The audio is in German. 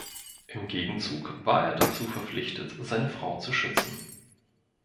Im Gegenzug war er dazu verpflichtet, seine Frau zu schützen.